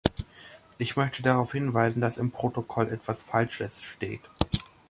Ich möchte darauf hinweisen, dass im Protokoll etwas Falsches steht.